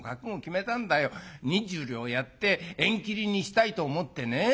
２０両やって縁切りにしたいと思ってね。